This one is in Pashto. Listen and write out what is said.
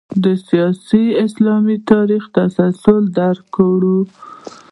د سیاسي اسلام تاریخي تسلسل درک کړو.